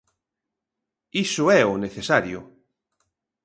Iso é o necesario.